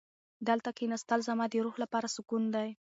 دلته کښېناستل زما د روح لپاره سکون دی.